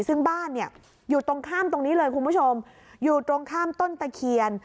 ซึ่งบ้านเนี่ยอยู่ตรงข้ามตรงนี้เลยคุณผู้ชมอยู่ตรงข้ามต้นตะเคียน